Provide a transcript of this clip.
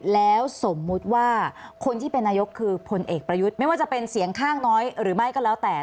แล้วสมมุติว่าคนที่เป็นนายกคือพลเอกประยุทธ์ไม่ว่าจะเป็นเสียงข้างน้อยหรือไม่ก็แล้วแต่